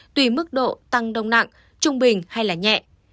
tùy mức độ tăng đông nặng trung bình hay nhẹ